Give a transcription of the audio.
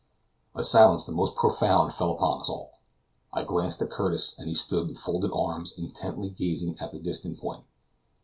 A silence the most profound fell upon us all. I glanced at Curtis as he stood with folded arms intently gazing at the distant point.